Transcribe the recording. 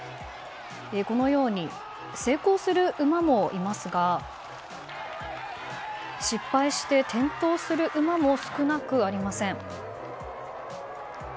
このように成功する馬もいますが失敗して転倒する馬も少なくありません。